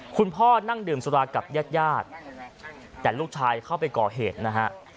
คุณพ่อนั่งดื่มสุรากับญาติญาติแต่ลูกชายเข้าไปก่อเหตุนะฮะ